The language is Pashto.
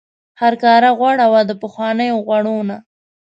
هرکاره غوړه وه د پخوانیو غوړو نه.